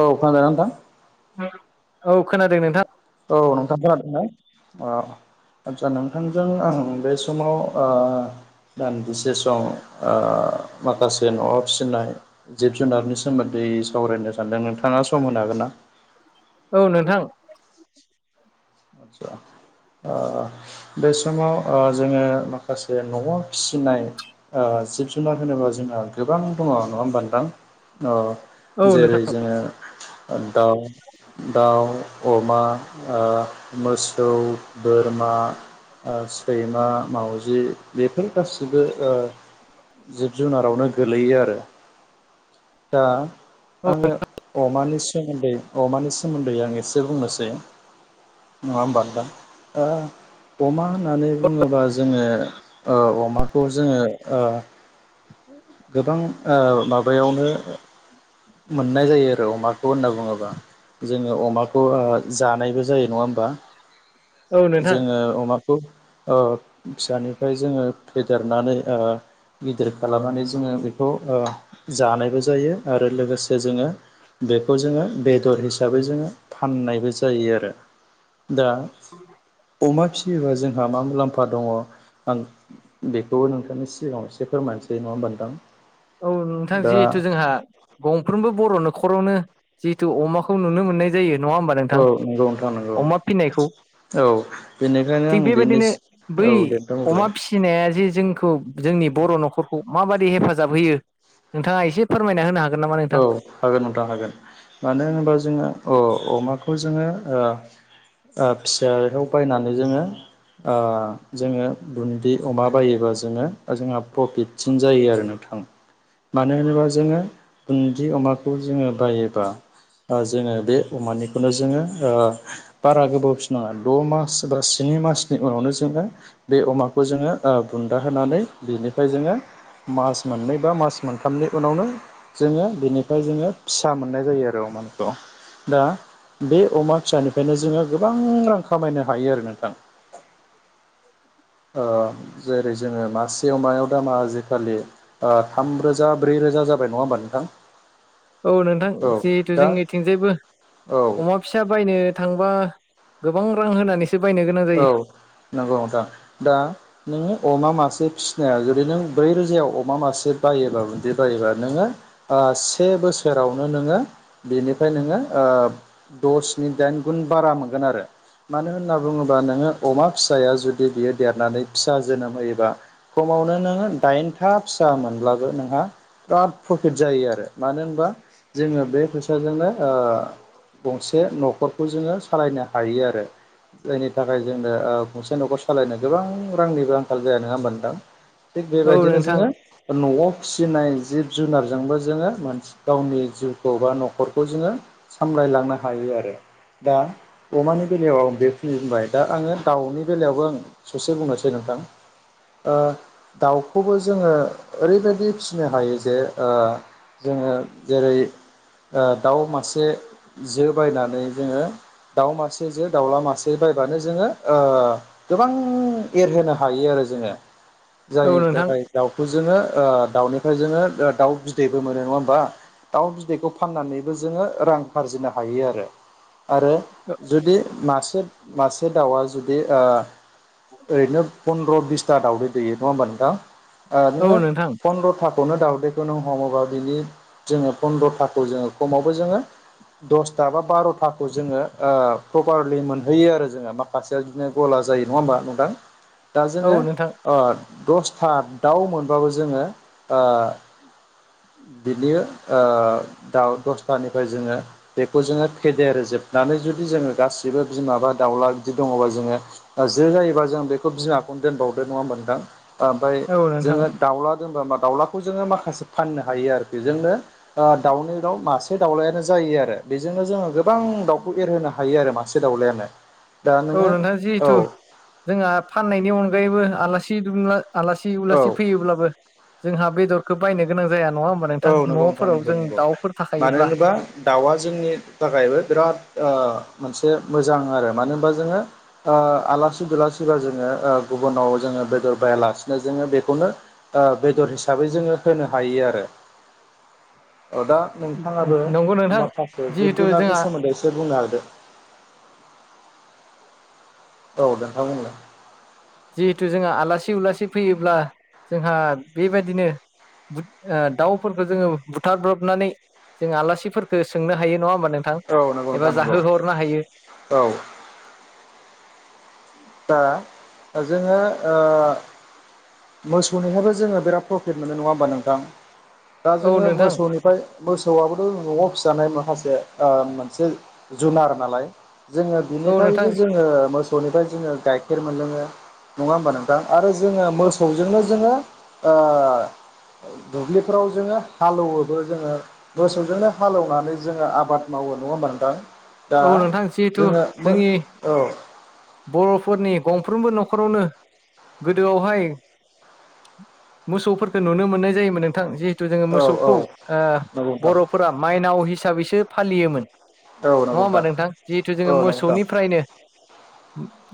औ खोनादोंना नोंथां? औ खोनादों नोंथां। औ नोंथां खोनादों अ। आदसा नोंथांजों आं बे समाव ओ दानदिसे सम ओ माखासे न'आव फिसिनाय जिब जुनारनि सोमोन्दै सावरायनो सानदों नोंथाङा सम होनो हागोन ना? औ नोंथां। आ बे समाव ओ जोङो माखासे न'आव फिसिनाय ओ जिब जुनार होनोब्ला जों जोंहा गोबां दङ नङा होमबा नोथां? अ औ नोंथां जेरै जोङो दाउ दाउ अमा ओ मोसौ बोरमा सैमा मावजि बेफोर गासिबो ओ जिब जुनारावनो गोलैयो आरो दा औ आङो अमानि सो सोमोन्दै अमानि सोमोन्दै आं एसे बुंनोसै। नङा होमबा नोंथां? दा दा अमा होननानै बुङोब्ला जोङो ओ अमाखौ जोङो ओ गोबां माबायावनो मोननाय जायो आरो अमाखौ होनना बुङोबा। जोङो अमाखौ जानायबो जायो नङा होमबा? औ नोंथां जोङो अमाखौ ओ फिसानिफ्राय जोङो फेदेरनानै ओ गिदिर खालामनानै जोङो बेखौ ओ जानायबो जायो आरो लोगोसे जोङो बेखौ जोङो बेदर हिसाबै जोङो फाननायबो जायो आरो। दा औ अमा फिसियोबा जोंहा मा मुलाम्फा दङ आं बेखौबो नोंथांनि सिगाङाव एसे फोरमायनोसै नङा होनबा नोंथां? औ नोंथां दा जिहेथु जोंहा गंफ्रोमबो बर'नो न'खरावनो जिहेतु अमाखौ नुनो मोननाय जायो। नङा होमबा औ नोंथां नंगौ नोंथां नंगौ अमा फिनायखौ? औ बेनिखायनो थिग आं बेनि बेबायदिनो बै औ दे नोंथां अमा अब्लालाय फिसिनाया जे जोंखौ जोंनि बर' न'खरखौ माबादि हेफाजाब होयो नोंथाङा एसे फोरमायना होनो हा औ हागोन नोंथां हागोन मानो होनोबा जोङो औ अमाखौ बे खौ जोङो ओ ओ फिसायाव बायनानै जोङो ओ जोङो बुन्दि अमा बायोबा जोङो जोंहा प्रफिटसिन जायो आरो नों थां मानो होनोबा जोङो गुदि अमाखौ जोङो बायोबा जोङो बे अमानिखौनो जोङो बारा गोबाव फिसिनो नङा द' मास बा सिनि। मासनि उनावनो जोङो बे अमाखौ जोङो बुन्दा होनानै बिनिफ्राय जोङो। मास मोननै बा मास मोनथामनि उनावनो जोङो बिनिफ्राय जोङो फिसा मोननाय जायो आरो अमाखौ। दा बे अमा फिसानिफ्रायनो जोङो गोबां रां खामायनो हायो आरो नोंथां। अ जेरै जोङो मासेयाव मायाव दामा आजिखालि थामरोजा ब्रै रोजा जाबाय नङा होमबानो। नोंथां औ नोंथां औ जिहेथु दा जोंनिथिंजायबो औ अमा फिसा बायनो थांबा गोबां रां होनानै औ नंगौ नोंथां दा नोंङो। अमा मासे फिसिनायाव जुदि नों ब्रै रोजायाव अमा मासे बायोबा बिदि बायोबा नोङो। से बोसोरावनो नोङो बेनिफ्राय नोङो दसनि दाइन गुन बा मोनोन आरो मानो होनना। बुङोबा नोङो अमा फिसाया जुदि बियो देरनानै फिसा जोनोम होयोबा खमावनो नोङो। दाइनथा फिसा मोनब्लाबो नोंहा। बिराद प्रफिट जायो आरो मानो होनबा जोङो बे फैसाजोंनो। गंसे न'खरखौ जोङो सालायनो हायो आरो। जायनि थाखाय जोंनो गंसे न'खर सालायनो गोबां रांनिबो आंखाल जायो नङा होनबा नोंथां। थिग औ बेबायदिनो नोंथां जोङो न'आव फिसिनाय जिब जुनारजोंबो जोङो मानसि गावनि जिउखौ बा न'खरखौ जोङो सामलायलांनो हायो। आरो दा अमानि बेलायाव आं बे नि बुंबाय दा आङो दाउनि बेलायावबो आं ससे बुंनोसै नोंथां दाउखौबो जोङो ओरैबायदि फिनो हायो जे जोङो जेरै दाउ मासे जो बायनानै जोङो दाउ मासे जो दाउला मासे बायबानो जोङो गोबां एरहोनो हायो आरो जोङो औ जायनि नोंथां थाखाय दाउखौ जोङो दाउनिफ्राय जोङो दाउ बिदैबो मोनो नङा होमबा। दाउ बिदैखौ फाननानैबो जोङो रां आरजिनो हायो आरो। आरो जुदि मासे मासे दाउआ जुदि ओरैनो फन्द्र' बिसथा दाावदै दैयो नङा होमबा नोंथां औ नोङो नोंथां फन्द्र'था खौनो दाावदैखौ नों हमोबा बिनि जोङो फन्द्र'थाखौ जोङो खमावबो जोङो। दसथा बा बार'थाखौ जोङो प्रपारलि मोन होयो आरो जोङो माखासेया बिदिनो गला जायो नङा होमबा नोंथां। दा औ जोङो नोंथां दसथा दाउ मोनबाबो जोङो। बिनि दाउ दसथानिफ्राय जोङो बेखौ जोङो फेदेर नानै जुदि जोङो गासिबो। बिमाबा दाउला बिदि दङबा जोङो जो जायोबा जों बेखौ बिमा। खौनो दोनबावदो नङा होनबा नोंथां ओमफ्राय औ नोंथां जोङो दाउला दोनबा मा दाउला। माखासे फाननो हायो आरो बेजोंनो दाउनि दाउ मासे दाउलायानो जायो आरो बेजों नो जोङो गोबां दाउखौ एरहोनो हायो आरो मासे दाउलायानो। दा औ नोङो नोंथाङां औ जिहेथु जोंहा फाननायनि अनगायैबो आलासि दुमला आलासि उलासि औ फैयोब्लाबो जोंहा बेदरखौ बायनो गोनां ज औ नंगौ नोंथां नंगौ नंगौ। दाउफोर मानो थाखायोब्ला होनोबा दाउआ जोंनि थाखायबो बिराद मोनसे मोजां आरो मानो होनबा जोङो आलासि दुलासिबा जोङो गुबुनाव जोङो। बेदर बायालासिनो जोङो बेखौनो बेदर हिसाबै जोङो होनो हायो आरो। औ दा नोंथाङाबो नंगौ नोंथां माखासे जिब जिहेथु जुनारनि जोंहा सोमोन्दै एसे बुंनो हादों। [inaudible] औ नोंथां बुंदो। जिहेथु जोंहा आलासि उलासि फैयोब्ला जोंहा बेबायदिनो दाउफोरखौ जोङो बुथारब्रबनानै जों आलासिफोरखो सोंनो हायो नङा ओमबा नोंथां औ नंगौ नोंथां एबा नंगौ जाहो हरनो हायो। औ दा जोङो मोसौनिहायबो जोङो बिराद प्रफिट मोनो नङा होमबा नोंथां? दा औ जोङो नोंथां मोसौनिफ्राय मोसौआबोथ' न'आव फिसा जानाय माखासे मोनसे जुनार नालाय जोङो औ नोंथां बिनिफ्रायबो जोङो मोसौनिफ्राय जोङो गाइखेर मोनलोङो नङा होमबा नोंथां आरो। जोङो मोस जोङो ओ दुब्लिफोराव जोङो हालौ एवोबो जोङो मोसौजोंनो हाले एवनानै जोङो आबाद मावो। औ नङा ओमबा नोंथां? दा औ नोंथां जिहेथु जोङो मो जोंनि औ बर'फोरनि गंफ्रोमबो न'खरावनो गोदोआवहाय मोसौफोरखौ नुनो मोननाय जायोमोन नोंथां जि हिथु जोङो औ औ मोसौखौ नंगौ नोंथां बर'फोरा माइनाव हिसाबैसो फालियोमोन। औ नङा नंगौ होमबा नोंथां जिहेथु औ जोङो नंगौ नोंथां मोसौनिफ्रायनो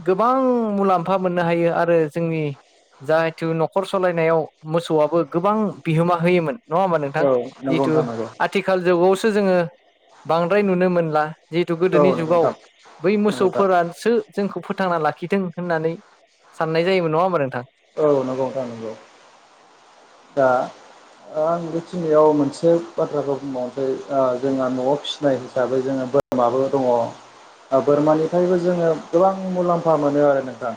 गोबां मुलाम्फा मोननो हायो आरो जोंनि जाहेथु न'खर सालायनायाव मोसौआबो गोबां बिहोमा होयोमोन। नङा होमबा नोंथां? औ नंगौ जिहेथु नोंथां नंगौ आथिखाल जुगावसो जोङो बांद्राय नुनो मोनला। जिहेथु औ गोदोनि नंगौ जुगाव नोंथां बै नंगौ नोंथां मोसौफोरासो जोंखौ फोथांना लाखिदों। होननानै साननाय जायोमोन नङा होमबा नोंथां? औ नंगौ नोंथां नंगौ आ आं बेखिनियाव मोनसे बाथ्राखौ बुंबावनोसै जोंहा न'आव फिसिनाय हिसाबै जोङो बोरमाबो दङ। बोरमानिफ्रायबो जोङो गोबां मुलाम्फा मोनो आरो नोंथां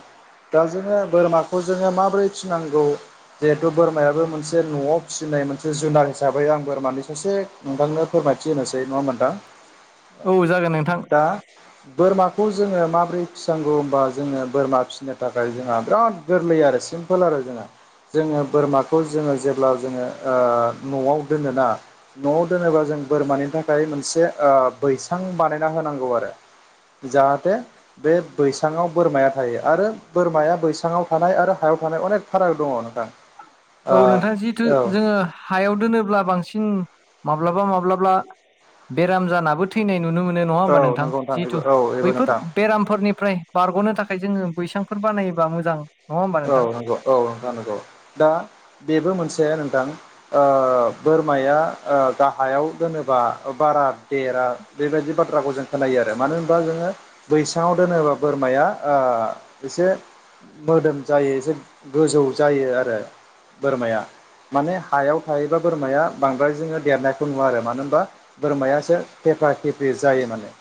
दा जोङो बोरमाखौ खौ जोङो माबोरै फिसिनांगौ जिहेथु बोरमायाबो मोनसे नआव फिसिनाय मोनसे जुनार हिसाबै सिदां बोरमानि सासे नोंथांनो फोरमायथि होनोसै नङा नोंथां? औ जागोन नोंथां दा बोरमाखौ जोङो माबोरै फिनांगौ होनोमबा जोङो बोरमा फिसिनो थाखाय जोंहा बिराद गोरलै आरो सिम्पोल आरो जोंना जोङो बोरमाखौ जोङो जेब्ला जोङो नआव दोनोना नआव दोनोबा जोङो बोरमानि थाखाय मोनसे ओ बैसां बानायना होनांगौ आरो। जाहाथे बे बैसाङाव बोरमाया थायो आरो बोरमाया बैसाङाव थानाय आरो हायाव थानाय अनेक फाराग दङ नोंथां। औ ओ नोंथाङा जिथु औ जोङो हायाव दोनोब्ला बांसिन माब्लाबा माब्लाबा बेराम जानाबो थैनाय नुनो मोनो नङा औ हबा नोंथां नंगौ जिहेथु बेबो औ बेबो बैफोर नोंथां बेरामफोरनिफ्राय बारगनो थाखाय जोङो बैसांफोर बानायोबा मोजां होमबा औ नोंथां नंगौ औ नं नंगौ दा बेबो मोनसे नोंथां बोरमाया गाहायाव दोनोबा बारा देरा बेबायदि बाथ्राखौ जों खोनायो आरो। मानो होनबा जोङो बैसाङाव दोनोबा बोरमाया एसे मोदोम जायो एसे गोजौ जायो आरो बोरमाया माने हायाव थायोबा बोरमाया बांद्राय जोङो देरनायखौ नुवा आरो मानो होनबा बोरमायासोे खेफा खेफ्रि जायो माने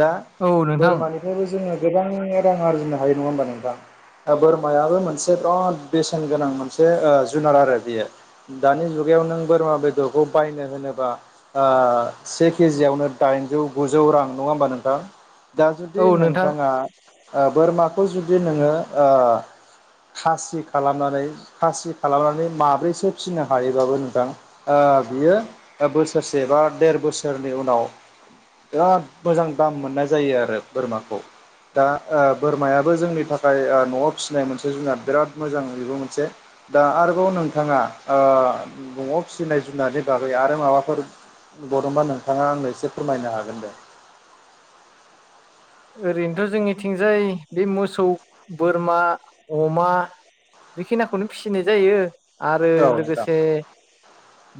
दा औ नोंथां बोरमानिफ्रायबो जोङो गोबां रां आरजिनो हायो नङा होनोमबा नोंथां दा बोरमा मायाबो मोनसे बिराद बेसेन गोनां मोनसे जुनार आरो बेयो दानि जुगायाव नों बोरै मुवा बेदरखौ बायनो होनोबा ओ से केजियावनो दाइनजौ गुजौ रां नङा नोंथां दा जुदि औ नोंथां नोंथाङा ओ बोरमाखौ जुदि नोङो [inaudible] खासि खालामनानै खासि खालामनानै माब्रैसो फिसिनो हायोबाबो नोंथां बियो बोसोरसे बा देर बोसोरनि उनाव बिराद मोजां दाम मोननाय जायो आरो बोरमाखौ दा बोरमायाबो जोंनि थाखाय नआव फिसिनाय मोनसे जुनाद बिराद मोजां बेबो मोनसे दा आरोबाव नोंथाङा ओ फिसिनाय जुनारनि बागै आरो माबाफोर बा नोंथाङा आंनो एसे फोरमायनो हागोन दे ओरैनोथ जोंनिथिंजाय बे मोसौ बोरमा अमा बेखिनिखौनो फिसिनाय जायो आरो औ नोंथां लोगोसे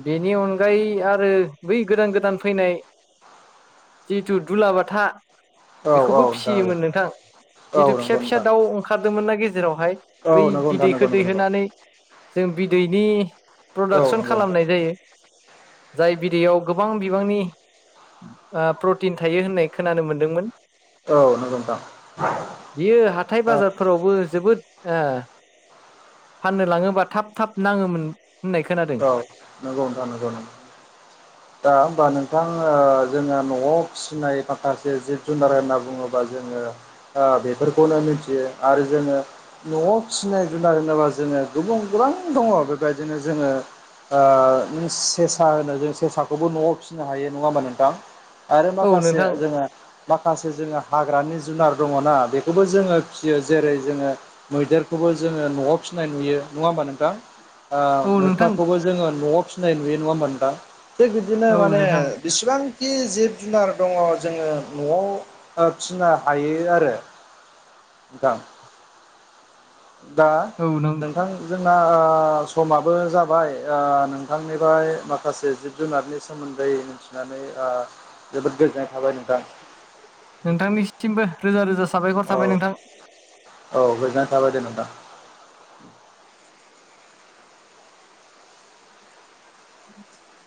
बेनि अनगायै आरो बै गोदान गोदान फैनाय जिथु दुलाबाथा औ औ बेखौबो फिसियोमोन नोंथां औ जिहेथु फिसा नंगौ फिसा नोंथां दाउ ओंखारदोंमोन ना गेजेरावहाय औ बै नंगौ नोंथां बिदैखौ नंगौ नंगौ नंगौ दैहोनानै जों बिदैनि औ प्रडाक्सन नंगौ नोंथां खालामनाय जायो। जाय बिदैयाव गोबां बिबांनि प्रटिन थायो होननाय खोनानो मोनदोंमोन। औ नंगौ नोंथां बियो हाथाय औ बाजारफोरावबो जोबोद फाननो लाङोबा थाब थाब नाङोमोन। होननाय खोनादों औ नंगौ नोंथां नंगौ दा होनबा नोंथां। जोंङहा नआव फिसिनाय फाखासे जिब जुनार होनना बुङोबा जोङो बेफोरखौनो आरो जोङो नआव फिनाय जुनार होनोबा जोङो गुबुन गोबां दङ बेबायदिनो जोङो सेसा होनो जों सेसाखौबो नआव फिसिनो हायो नङा होमबा नोंथां। आरो औ माखासे नोंथां जोङो माखासे जो हाग्रानि जुनार दङना बेखौबो जोङो फिसियो जेरै जोङो मैदेरखौबो जोङो नआव फियो सिनाय नुयो नङा होमबा नोंथां औ नोंथां न'वाव फिनाय नुयो नुवा मोनदां थिग बिदिनो औ माने नोंथां बिसेबां खि जिब जुनार दङ जोङो न'वाव फिसिनो हायो आरो [unintelligible] दा औ नों नोंथां जोंना समाबो जाबाय जाबाय नोंथांनिफ्राय माखासे जिब जुनारनि सोमोन्दै मिथिनानै जोबोद गोजोननाय थाबाय नोंथां। नोंथांनिसिमबो रोजा रोजा साबायखर औ थाबाय नोंथां। औ गोजोननाय थाबाय दे नोंथां। [inaudible]